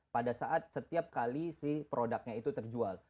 pada saat setiap kali si produknya itu terjual